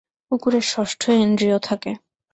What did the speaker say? কুকুরের ষষ্ঠ ইন্দ্রিয় থাকে।